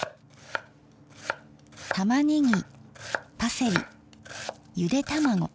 たまねぎパセリゆで卵。